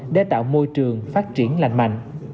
để tạo môi trường phát triển lành mạnh